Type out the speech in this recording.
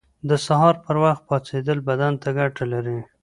• د سهار پر وخت پاڅېدل بدن ته ګټه لري.